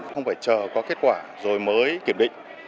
không phải chờ có kết quả rồi mới kiểm định